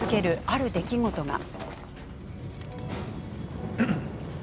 ある出来事が。